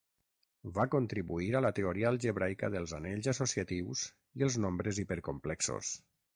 Va contribuir a la teoria algebraica dels anells associatius i els nombres hipercomplexos.